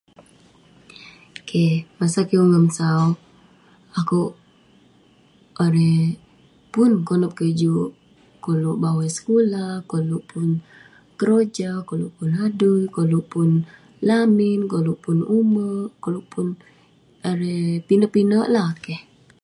Keh masa kik umon sau akuek Irei pun konep kik juk bawai sekulah koluk pun keroja kaluek pun adui koluk pun lamin koluk pun umek koluk pun ireh pinek-pinek lah keh.